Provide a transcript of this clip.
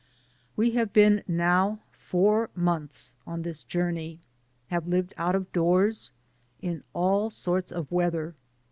We have been now four months on this journey. Have lived out of doors, in all sorts of weather.